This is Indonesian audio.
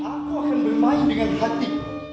aku akan bermain dengan hati